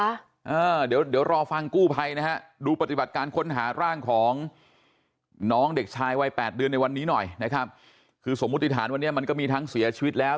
อ่าเดี๋ยวเดี๋ยวรอฟังกู้ภัยนะฮะดูปฏิบัติการค้นหาร่างของน้องเด็กชายวัยแปดเดือนในวันนี้หน่อยนะครับคือสมมุติฐานวันนี้มันก็มีทั้งเสียชีวิตแล้ว